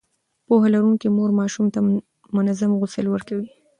پوهه لرونکې مور ماشوم ته منظم غسل ورکوي.